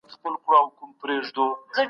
انسان اشرف المخلوقات دی.